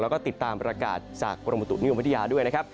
และติดตามระกาศจากกรมตุนิวพัทยาด้วยนะครับ